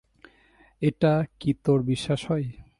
এটা কি তোর বিশ্বাস হয়?